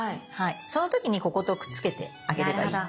その時にこことくっつけてあげればいい。